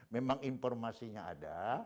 memang informasinya ada